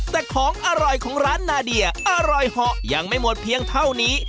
แต่ของอร่อยของร้านนาเดียอร่อยเหาะยังไม่หมดเพียงเท่านี้